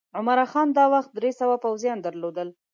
عمرا خان دا وخت درې سوه پوځیان درلودل.